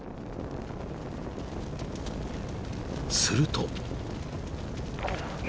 ［すると］